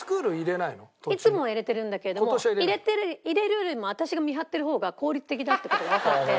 いつもは入れてるんだけれども入れるよりも私が見張ってる方が効率的だって事がわかって。